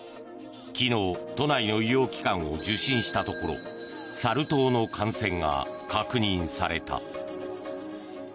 昨日、都内の医療機関を受診したところサル痘の感染が確認された。